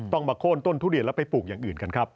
มาโค้นต้นทุเรียนแล้วไปปลูกอย่างอื่นกันครับ